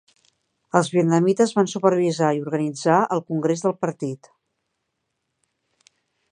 Els vietnamites van supervisar i organitzar el congrés del partit.